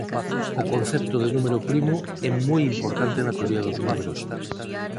O concepto de número primo é moi importante na teoría dos números.